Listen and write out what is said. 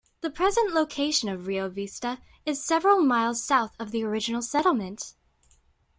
The present location of Rio Vista is several miles south of the original settlement.